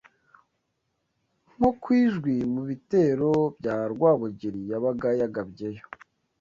nko ku Ijwi mu bitero bya Rwabugili yabaga yagabyeyo